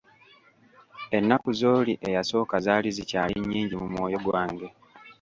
Ennaku z'oli eyasooka zaali zikyali nnyingi mu mwoyo gwange.